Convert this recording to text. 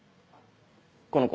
この子。